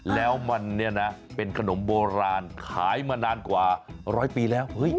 แล้วมันเนี่ยนะเป็นขนมโบราณขายมานานกว่าร้อยปีแล้ว